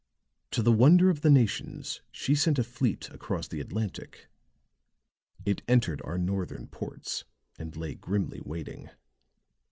To the wonder of the nations she sent a fleet across the Atlantic; it entered our northern ports and lay grimly waiting.